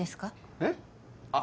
えっ？